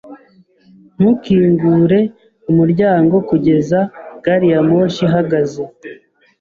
Ntukingure umuryango kugeza gari ya moshi ihagaze.